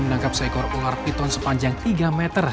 menangkap seekor ular piton sepanjang tiga meter